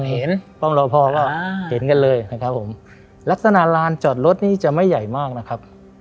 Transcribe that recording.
เห็นป้อมรอพอก็เห็นกันเลยนะครับผมลักษณะลานจอดรถนี่จะไม่ใหญ่มากนะครับ